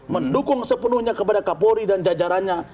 mendukung sepenuhnya kepada kapolri dan jajarannya